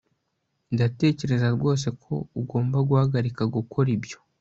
Ndatekereza rwose ko ugomba guhagarika gukora ibyo